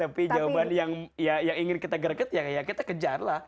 tapi jawaban yang ingin kita greget ya kita kejar lah